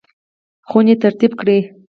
خونې ترتیب کړئ